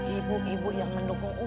ibu ibu yang mendukung umi tuh